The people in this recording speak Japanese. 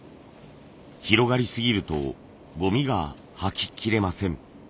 広がりすぎるとゴミが掃ききれません。